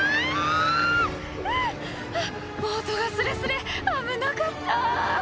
はぁボートがスレスレ危なかった」